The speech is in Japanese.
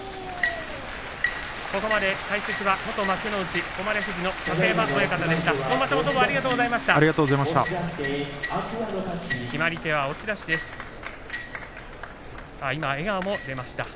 ここまで解説は元幕内誉富士の楯山親方でした。